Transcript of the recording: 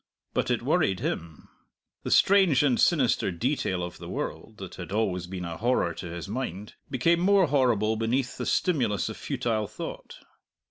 But it worried him. The strange and sinister detail of the world, that had always been a horror to his mind, became more horrible beneath the stimulus of futile thought.